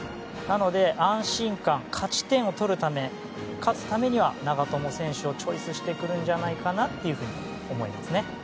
なので、安心感勝ち点を取るため勝つためには長友選手をチョイスしてくるんじゃないかと思います。